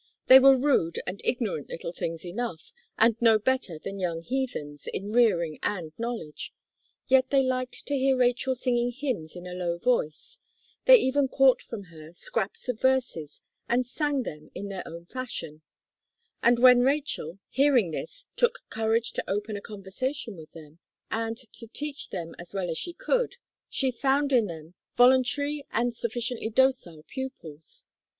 They were rude and ignorant little things enough, and no better than young heathens, in rearing and knowledge; yet they liked to hear Rachel singing hymns in a low voice; they even caught from her, scraps of verses, and sang them in their own fashion; and when Rachel, hearing this, took courage to open a conversation with them, and to teach them as well as she could, she found in them voluntary and sufficiently docile pupils.